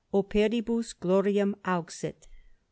OPERIBUS GLORIAM AUXIT.